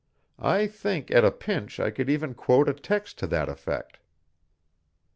I think at a pinch I could even quote a text to that effect."